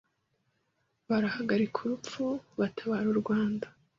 Barahagarika urupfu batabara u Rwanda